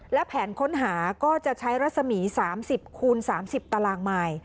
และแผนค้นหาก็จะใช้รัศมี๓๐คูณ๓๐ตารางมาย